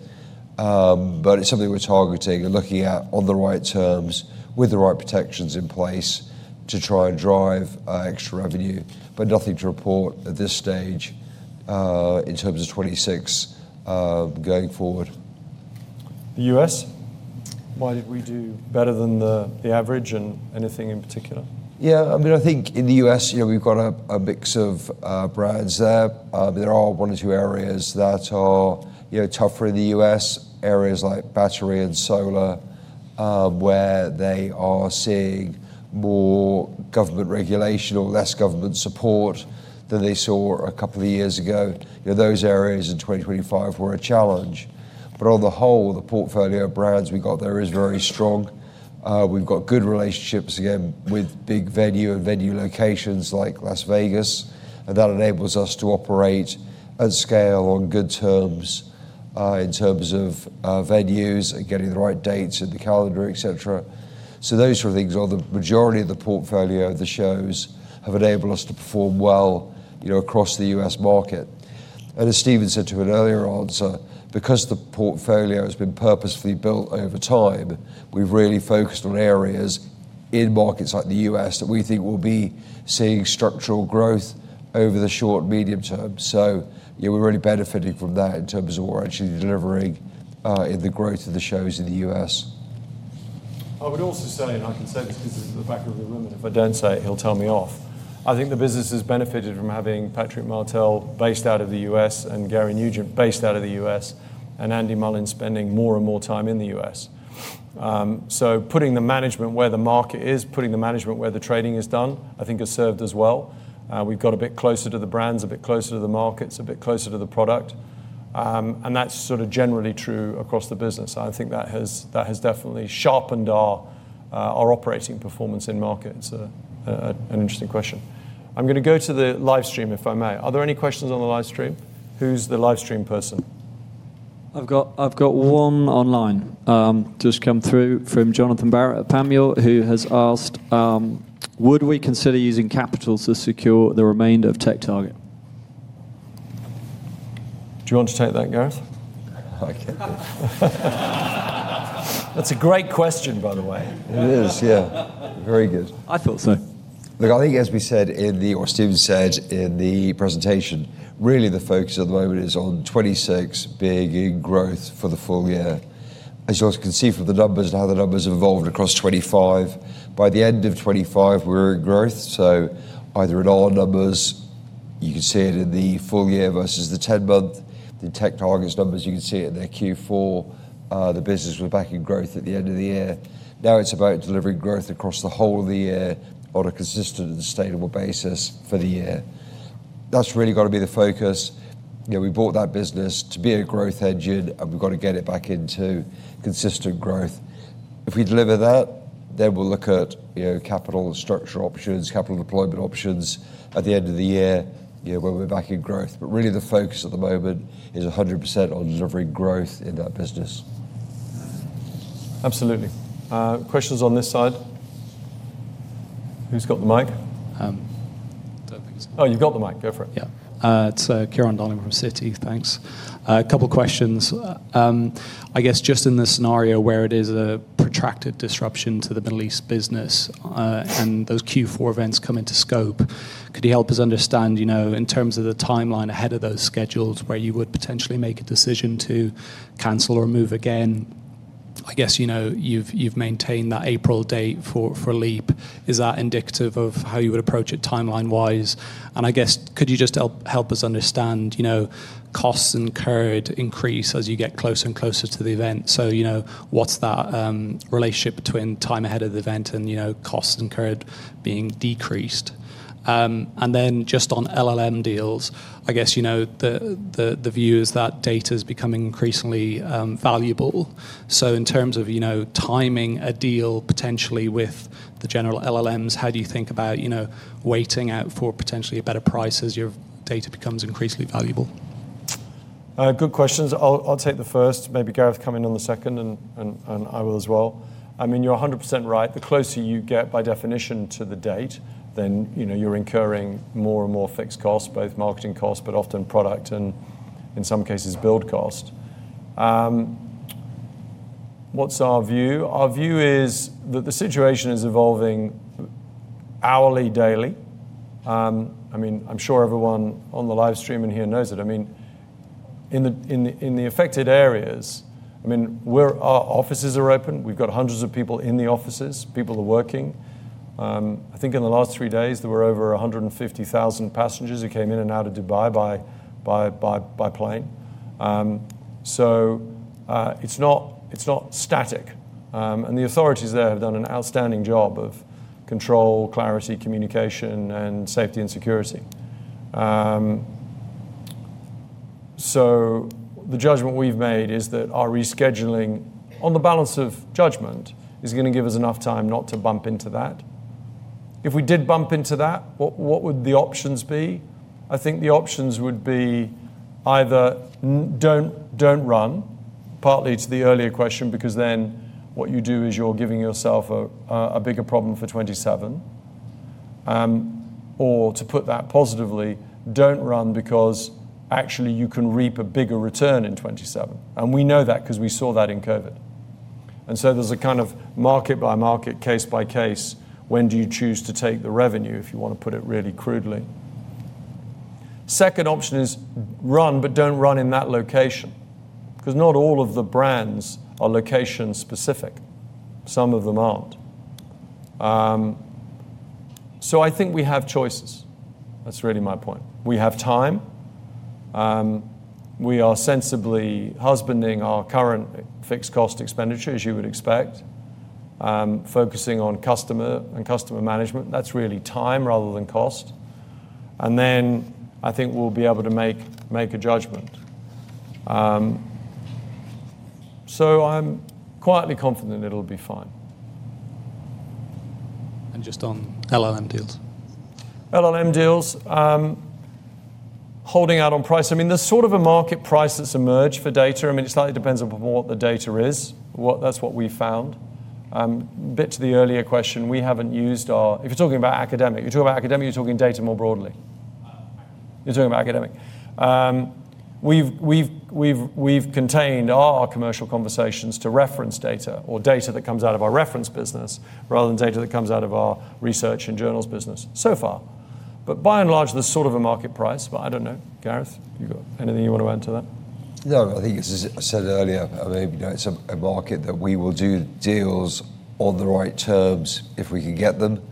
D: It's something we're targeting and looking at on the right terms with the right protections in place to try and drive extra revenue, but nothing to report at this stage in terms of 2026 going forward.
A: The U.S.? Why did we do better than the average and anything in particular?
D: Yeah, I mean, I think in the U.S., you know, we've got a mix of brands there. There are one or two areas that are, you know, tougher in the U.S., areas like battery and solar, where they are seeing more government regulation or less government support than they saw a couple of years ago. You know, those areas in 2025 were a challenge. But on the whole, the portfolio of brands we got there is very strong. We've got good relationships, again, with big venue and venue locations like Las Vegas, and that enables us to operate at scale on good terms, in terms of venues and getting the right dates in the calendar, et cetera. Those sort of things are the majority of the portfolio of the shows have enabled us to perform well, you know, across the U.S. market. As Stephen said to an earlier answer, because the portfolio has been purposefully built over time, we've really focused on areas in markets like the U.S. that we think will be seeing structural growth over the short, medium term. Yeah, we're really benefiting from that in terms of what we're actually delivering in the growth of the shows in the U.S.
A: I would also say, and I can say this because it's at the back of the room, and if I don't say it, he'll tell me off. I think the business has benefited from having Patrick Martell based out of the U.S. and Gary Nugent based out of the U.S. and Andrew Mullins spending more and more time in the U.S. Putting the management where the market is, putting the management where the trading is done, I think has served us well. We've got a bit closer to the brands, a bit closer to the markets, a bit closer to the product. That's sort of generally true across the business. I think that has definitely sharpened our operating performance in markets. An interesting question. I'm going to go to the live stream, if I may. Are there any questions on the live stream? Who's the live stream person?
H: I've got one online, just come through from Jonathan Barrett at Panmure Gordon, who has asked, would we consider using capital to secure the remainder of TechTarget?
A: Do you want to take that, Gareth?
D: I can do.
A: That's a great question, by the way.
D: It is, yeah. Very good.
H: I thought so.
D: Look, I think as we said or Stephen said in the presentation, really the focus at the moment is on 2026 being in growth for the full year. As you also can see from the numbers and how the numbers have evolved across 2025, by the end of 2025, we're in growth. Either in our numbers, you can see it in the full year versus the 10-month. In Informa TechTarget's numbers, you can see it in their Q4, the business was back in growth at the end of the year. Now it's about delivering growth across the whole of the year on a consistent and sustainable basis for the year. That's really gotta be the focus. You know, we bought that business to be a growth engine, and we've gotta get it back into consistent growth. If we deliver that, then we'll look at, you know, capital structure options, capital deployment options at the end of the year, you know, when we're back in growth. Really the focus at the moment is 100% on delivering growth in that business.
A: Absolutely. Questions on this side? Who's got the mic?
I: Don't think it's.
A: Oh, you've got the mic. Go for it.
I: Yeah. It's Ciarán Donnelly from Citi. Thanks. A couple questions. I guess just in the scenario where it is a protracted disruption to the Middle East business, and those Q4 events come into scope, could you help us understand, you know, in terms of the timeline ahead of those schedules, where you would potentially make a decision to cancel or move again? I guess, you know, you've maintained that April date for Leap. Is that indicative of how you would approach it timeline-wise? I guess, could you just help us understand, you know, costs incurred increase as you get closer and closer to the event. You know, what's that relationship between time ahead of the event and, you know, costs incurred being decreased? Just on LLM deals, I guess, you know, the view is that data is becoming increasingly valuable. In terms of, you know, timing a deal potentially with the general LLMs, how do you think about, you know, waiting out for potentially a better price as your data becomes increasingly valuable?
A: Good questions. I'll take the first, maybe Gareth come in on the second, and I will as well. I mean, you're 100% right. The closer you get by definition to the date, then, you know, you're incurring more and more fixed costs, both marketing costs, but often product and, in some cases, build cost. What's our view? Our view is that the situation is evolving hourly, daily. I mean, I'm sure everyone on the live stream in here knows it. I mean, in the affected areas. I mean, our offices are open. We've got hundreds of people in the offices. People are working. I think in the last three days, there were over 150,000 passengers who came in and out of Dubai by plane. It's not static. The authorities there have done an outstanding job of control, clarity, communication, and safety and security. The judgment we've made is that our rescheduling, on the balance of judgment, is going to give us enough time not to bump into that. If we did bump into that, what would the options be? I think the options would be either don't run, partly to the earlier question, because then what you do is you're giving yourself a bigger problem for 2027. To put that positively, don't run because actually you can reap a bigger return in 2027, and we know that because we saw that in COVID. There's a kind of market by market, case by case, when do you choose to take the revenue, if you want to put it really crudely. Second option is run, but don't run in that location, because not all of the brands are location specific. Some of them aren't. I think we have choices. That's really my point. We have time. We are sensibly husbanding our current fixed cost expenditure, as you would expect, focusing on customer and customer management. That's really time rather than cost. I think we'll be able to make a judgment. I'm quietly confident it'll be fine.
I: Just on LLM deals.
A: LLM deals, holding out on price. I mean, there's sort of a market price that's emerged for data. I mean, it slightly depends on what the data is. That's what we found. A bit to the earlier question, we haven't used our... If you're talking about academic. You're talking about academic, or you're talking data more broadly?
I: Academic.
A: You're talking about academic. We've contained our commercial conversations to reference data or data that comes out of our reference business rather than data that comes out of our research and journals business so far. By and large, there's sort of a market price. I don't know. Gareth, you got anything you want to add to that?
D: No, I think it's as I said earlier, it's a market that we will do deals on the right terms if we can get them.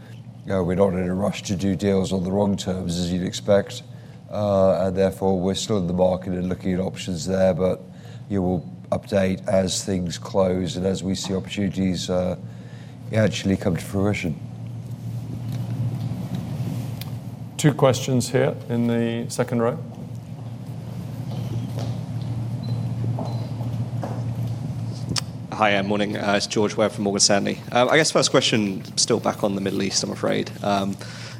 D: You know, we're not in a rush to do deals on the wrong terms, as you'd expect. Therefore, we're still in the market and looking at options there. Yeah, we'll update as things close and as we see opportunities, actually come to fruition.
A: Two questions here in the second row.
J: Hiya. Morning. It's George Webb from Morgan Stanley. I guess first question, still back on the Middle East, I'm afraid.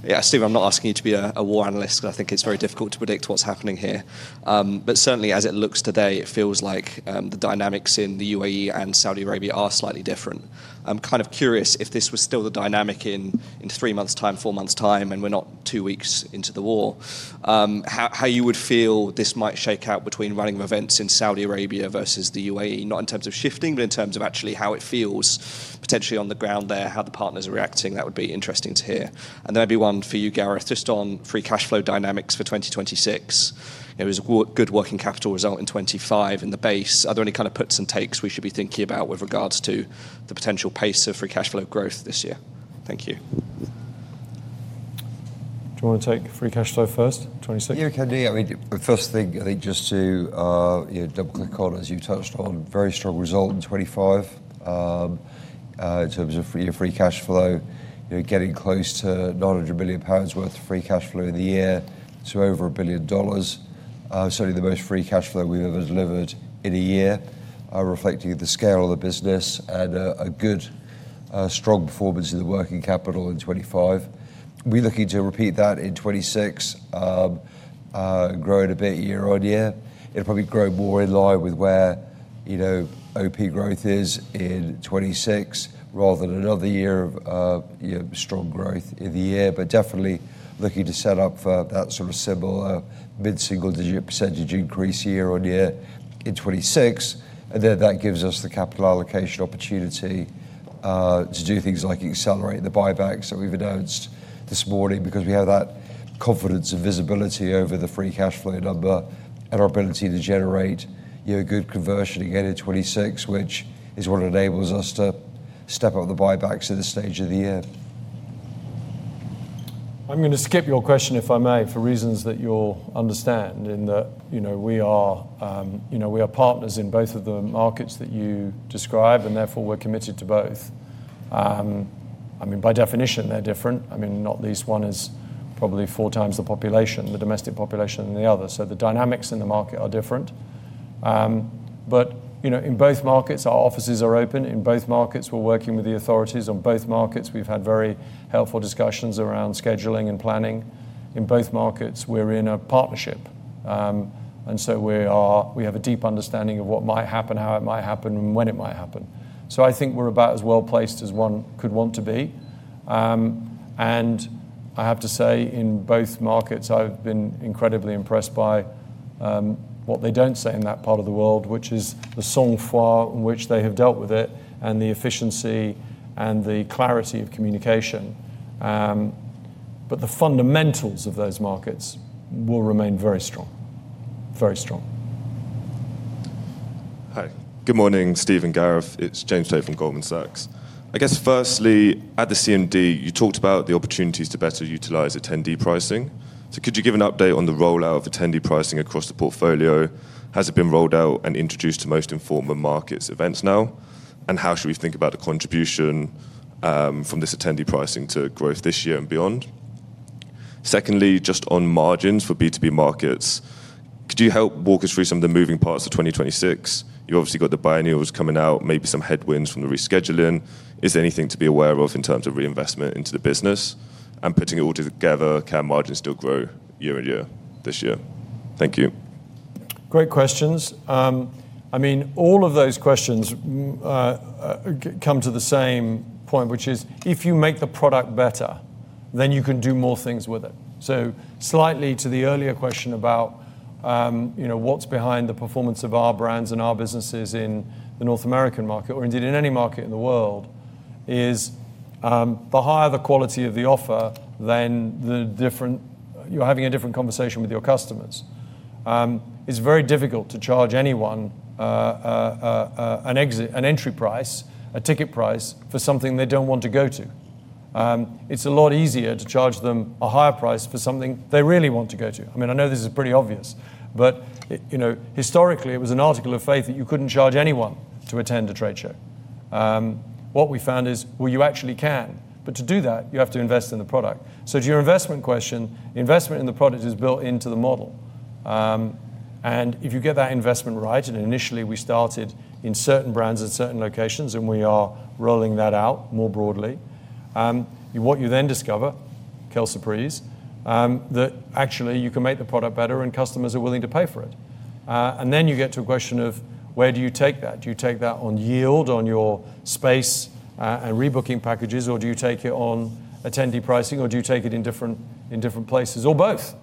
J: Yeah, Stephen, I'm not asking you to be a war analyst because I think it's very difficult to predict what's happening here. Certainly, as it looks today, it feels like the dynamics in the UAE and Saudi Arabia are slightly different. I'm kind of curious if this was still the dynamic in three months' time, four months' time, and we're not two weeks into the war, how you would feel this might shake out between running of events in Saudi Arabia versus the UAE? Not in terms of shifting, but in terms of actually how it feels potentially on the ground there, how the partners are reacting. That would be interesting to hear. Maybe one for you, Gareth, just on free cash flow dynamics for 2026. It was a good working capital result in 2025 in the base. Are there any kind of puts and takes we should be thinking about with regards to the potential pace of free cash flow growth this year? Thank you.
A: Do you want to take free cash flow first, 26?
D: Yeah, can do. I mean, the first thing, I think just to, you know, double click on, as you touched on, very strong result in 2025, in terms of year free cash flow. You know, getting close to 900 million pounds worth of free cash flow in the year to over $1 billion. Certainly, the most free cash flow we've ever delivered in a year, reflecting the scale of the business and a good, strong performance in the working capital in 2025. We're looking to repeat that in 2026, growing a bit year on year. It'll probably grow more in line with where, you know, OP growth is in 2026 rather than another year of, you know, strong growth in the year. Definitely looking to set up for that sort of similar, mid-single digit percentage increase year-on-year in 2026. Then that gives us the capital allocation opportunity, to do things like accelerate the buybacks that we've announced this morning because we have that confidence and visibility over the free cash flow number and our ability to generate, you know, good conversion again in 2026, which is what enables us to step up the buybacks at this stage of the year.
A: I'm going to skip your question, if I may, for reasons that you'll understand in that, you know, we are partners in both of the markets that you describe, and therefore we're committed to both. I mean, by definition, they're different. I mean, not least one is probably four times the population, the domestic population than the other. The dynamics in the market are different. You know, in both markets, our offices are open. In both markets, we're working with the authorities. On both markets, we've had very helpful discussions around scheduling and planning. In both markets, we're in a partnership. We have a deep understanding of what might happen, how it might happen, and when it might happen. I think we're about as well placed as one could want to be. I have to say, in both markets, I've been incredibly impressed by what they don't say in that part of the world, which is the sangfroid in which they have dealt with it and the efficiency and the clarity of communication. The fundamentals of those markets will remain very strong. Very strong.
K: Hi. Good morning, Stephen Carter. It's James Tate from Goldman Sachs. I guess, firstly, at the CMD, you talked about the opportunities to better utilize attendee pricing. Could you give an update on the rollout of attendee pricing across the portfolio? Has it been rolled out and introduced to most Informa Markets events now? How should we think about the contribution from this attendee pricing to growth this year and beyond? Secondly, just on margins for B2B Markets, could you help walk us through some of the moving parts of 2026? You obviously got the biennials coming out, maybe some headwinds from the rescheduling. Is there anything to be aware of in terms of reinvestment into the business? Putting it all together, can margins still grow year-on-year this year? Thank you.
A: Great questions. I mean, all of those questions come to the same point, which is if you make the product better, then you can do more things with it. Slightly to the earlier question about, you know, what's behind the performance of our brands and our businesses in the North American market, or indeed in any market in the world, is the higher the quality of the offer, then you're having a different conversation with your customers. It's very difficult to charge anyone an entry price, a ticket price for something they don't want to go to. It's a lot easier to charge them a higher price for something they really want to go to. I mean, I know this is pretty obvious, but, you know, historically, it was an article of faith that you couldn't charge anyone to attend a trade show. What we found is, well, you actually can, but to do that, you have to invest in the product. To your investment question, investment in the product is built into the model. If you get that investment right, and initially we started in certain brands at certain locations, and we are rolling that out more broadly, what you then discover, quelle surprise, that actually you can make the product better and customers are willing to pay for it. Then you get to a question of where do you take that? Do you take that on yield on your space, and rebooking packages, or do you take it on attendee pricing, or do you take it in different places, or both?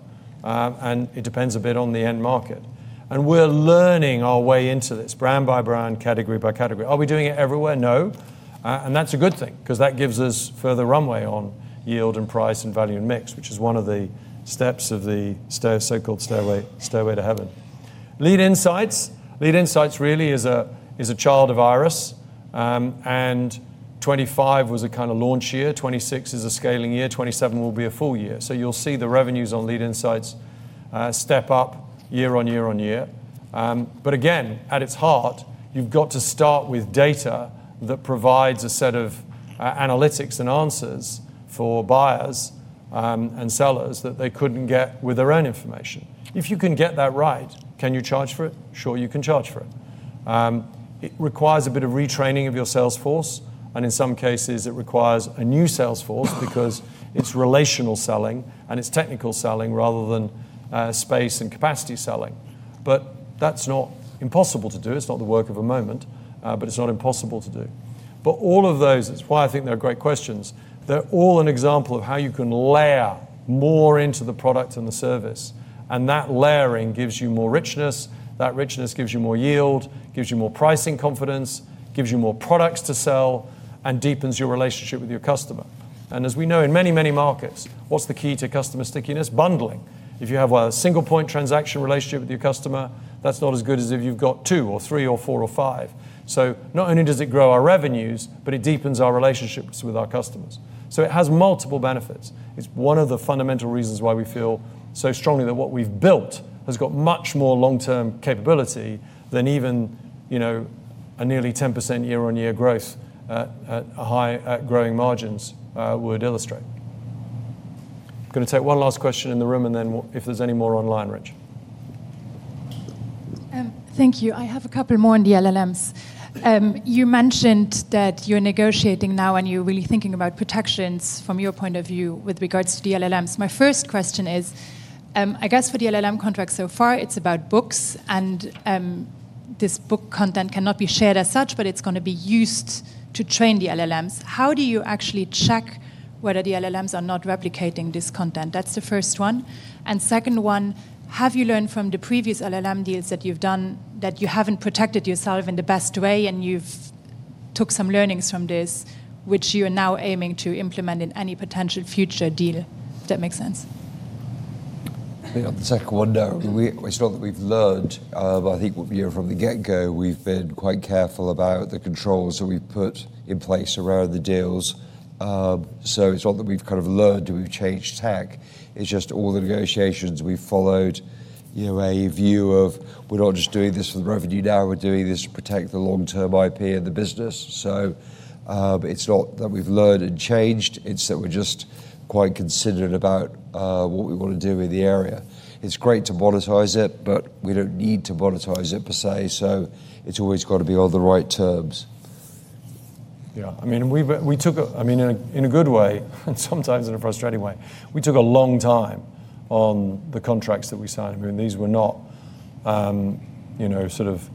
A: It depends a bit on the end market. We're learning our way into this brand by brand, category by category. Are we doing it everywhere? No. That's a good thing because that gives us further runway on yield and price and value and mix, which is one of the steps of the so-called stairway to heaven. Lead Insights really is a child of IRIS, and 2025 was a kind of launch year, 2026 is a scaling year, 2027 will be a full year. You'll see the revenues on Lead Insights step up year on year on year. Again, at its heart, you've got to start with data that provides a set of analytics and answers for buyers, and sellers that they couldn't get with their own information. If you can get that right, can you charge for it? Sure, you can charge for it. It requires a bit of retraining of your sales force, and in some cases it requires a new sales force because it's relational selling and it's technical selling rather than space and capacity selling. That's not impossible to do. It's not the work of a moment, it's not impossible to do. All of those, it's why I think they're great questions, they're all an example of how you can layer more into the product and the service, and that layering gives you more richness, that richness gives you more yield, gives you more pricing confidence, gives you more products to sell, and deepens your relationship with your customer. As we know, in many, many markets, what's the key to customer stickiness? Bundling. If you have a single point transaction relationship with your customer, that's not as good as if you've got two or three or four or five. Not only does it grow our revenues, but it deepens our relationships with our customers. It has multiple benefits. It's one of the fundamental reasons why we feel so strongly that what we've built has got much more long-term capability than even, you know, a nearly 10% year-on-year growth at growing margins would illustrate. going to take one last question in the room, and then if there's any more online, Richard.
C: Thank you. I have a couple more on the LLMs. You mentioned that you're negotiating now, and you're really thinking about protections from your point of view with regards to the LLMs. My first question is, I guess for the LLM contracts so far, it's about books and this book content cannot be shared as such, but it's going to be used to train the LLMs. How do you actually check whether the LLMs are not replicating this content? That's the first one. Second one, have you learned from the previous LLM deals that you've done that you haven't protected yourself in the best way and you've took some learnings from this, which you are now aiming to implement in any potential future deal? If that makes sense.
A: Yeah. On the second one, no. It's not that we've learned. I think you know, from the get-go, we've been quite careful about the controls that we've put in place around the deals. It's not that we've kind of learned or we've changed tack. It's just all the negotiations we've followed, you know, a view that we're not just doing this for the revenue now, we're doing this to protect the long-term IP of the business. It's not that we've learned and changed, it's that we're just quite considered about what we want to do with the area. It's great to monetize it, but we don't need to monetize it per se, so it's always gotta be on the right terms. Yeah. I mean, we took a. I mean, in a good way, and sometimes in a frustrating way, we took a long time on the contracts that we signed. I mean, these were not, you know, sort of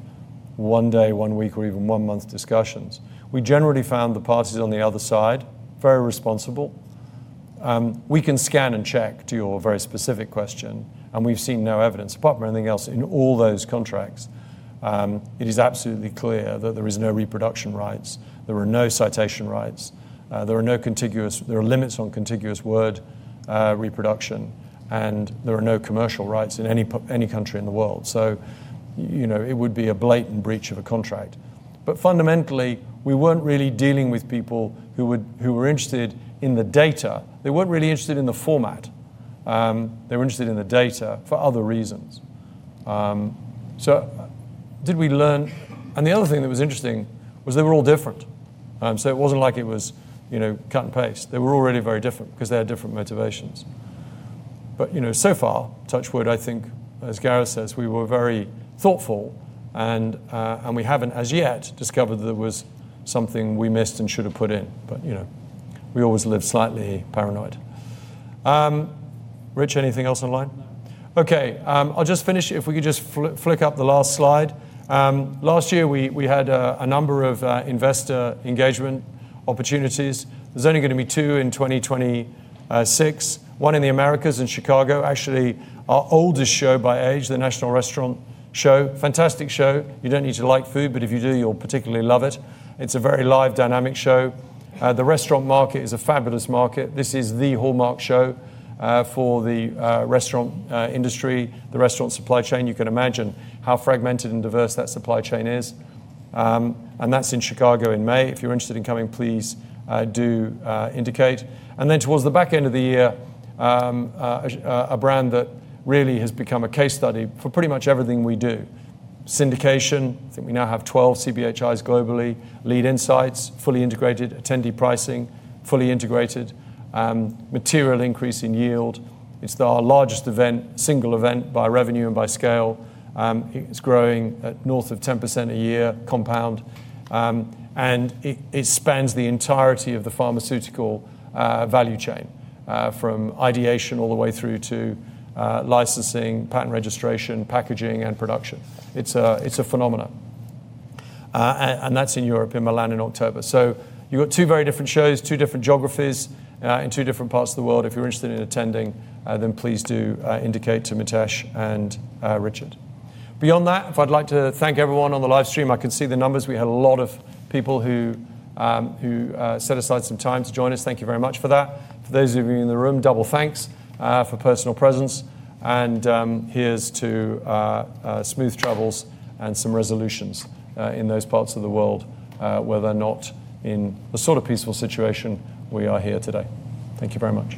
A: one-day, one-week, or even one-month discussions. We generally found the parties on the other side very responsible. We can scan and check to your very specific question, and we've seen no evidence, apart from anything else, in all those contracts. It is absolutely clear that there is no reproduction rights, there are no citation rights, there are no contiguous, there are limits on contiguous word reproduction. There are no commercial rights in any country in the world. You know, it would be a blatant breach of a contract. Fundamentally, we weren't really dealing with people who were interested in the data. They weren't really interested in the format. They were interested in the data for other reasons. Did we learn? The other thing that was interesting was they were all different. It wasn't like it was, you know, cut and paste. They were all really very different 'cause they had different motivations. You know, so far, touch wood, I think as Gareth says, we were very thoughtful and we haven't as yet discovered there was something we missed and should have put in. You know, we always live slightly paranoid. Richard, anything else online?
H: No.
A: Okay. I'll just finish. If we could just flick up the last slide. Last year we had a number of investor engagement opportunities. There's only going to be 2 in 2026. One in the Americas in Chicago. Actually, our oldest show by age, the National Restaurant Association Show. Fantastic show. You don't need to like food, but if you do, you'll particularly love it. It's a very live, dynamic show. The restaurant market is a fabulous market. This is the hallmark show for the restaurant industry, the restaurant supply chain. You can imagine how fragmented and diverse that supply chain is. That's in Chicago in May. If you're interested in coming, please do indicate. Towards the back end of the year, a brand that really has become a case study for pretty much everything we do. Syndication, I think we now have 12 CPHIs globally, Lead Insights, fully integrated, attendee pricing, fully integrated, material increase in yield. It's our largest event, single event by revenue and by scale. It's growing at north of 10% a year compound. It spans the entirety of the pharmaceutical value chain, from ideation all the way through to licensing, patent registration, packaging and production. It's a phenomenon. That's in Europe, in Milan in October. You've got two very different shows, two different geographies, in two different parts of the world. If you're interested in attending, then please do indicate to Mitesh and Richard. Beyond that, I'd like to thank everyone on the live stream, I can see the numbers. We had a lot of people who set aside some time to join us. Thank you very much for that. For those of you in the room, double thanks for personal presence. Here's to smooth travels and some resolutions in those parts of the world where they're not in the sort of peaceful situation we are here today. Thank you very much.